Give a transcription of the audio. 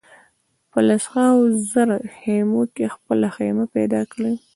په لسهاوو زره خېمو کې خپله خېمه پیدا کړي.